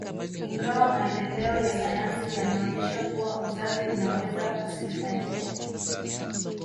Ingawa maendeleo ya sayansi yanaonesha kuwa uzazi unaweza usifanyike